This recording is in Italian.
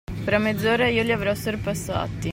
Fra mezz’ora io li avrò sorpassati.